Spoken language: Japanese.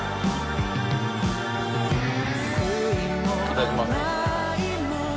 いただきます。